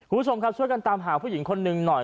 คุณผู้ชมครับช่วยกันตามหาผู้หญิงคนหนึ่งหน่อย